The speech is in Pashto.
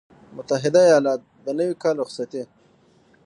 متحده ایالات - د نوي کال رخصتي